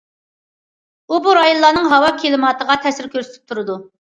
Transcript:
ئۇ بۇ رايونلارنىڭ ھاۋا كىلىماتىغا تەسىر كۆرسىتىپ تۇرىدۇ.